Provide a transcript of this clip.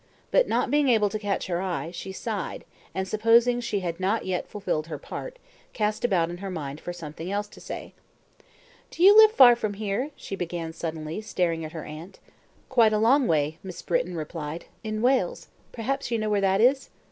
But not being able to catch her eye, she sighed, and supposing she had not yet fulfilled her part, cast about in her mind for something else to say. "Do you live far from here?" she began suddenly, staring at her aunt. "Quite a long way," Miss Britton replied. "In Wales perhaps you know where that is?"